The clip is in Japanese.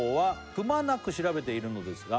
「くまなく調べているのですが」